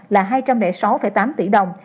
là hai trăm linh sáu tám tỷ đồng